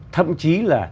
thậm chí là